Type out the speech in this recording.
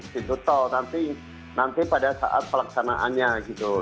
pintu tol nanti pada saat pelaksanaannya gitu